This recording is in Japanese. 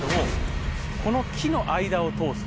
この木の間を通すと。